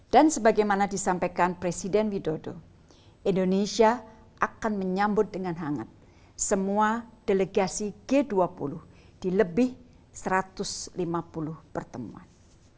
dan sebagaimana disampaikan presiden widodo indonesia akan menyambut dengan hangat semua delegasi g dua puluh di lebih satu ratus lima puluh pertemuan